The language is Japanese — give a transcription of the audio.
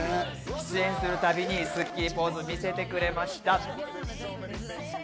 出演するたびに『スッキリ』ポーズを見せてくれました。